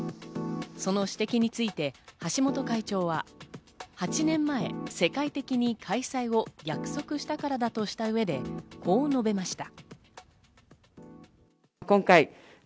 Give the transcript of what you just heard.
その指摘について橋本会長は、８年前、世界的に開催を約束したからだとした上でこう述べました。